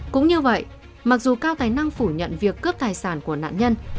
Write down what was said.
cũng như vậy mặc dù cao tài năng phủ nhận việc cướp tài sản của nạn nhân